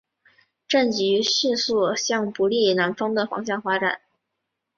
战局迅速向不利于南方的方向发展。